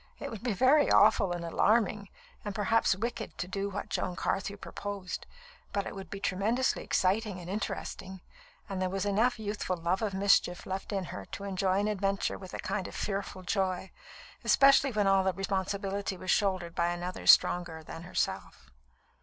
It would be very awful and alarming, and perhaps wicked, to do what Joan Carthew proposed, but it would be tremendously exciting and interesting; and there was enough youthful love of mischief left in her to enjoy an adventure with a kind of fearful joy, especially when all the responsibility was shouldered by another stronger than herself.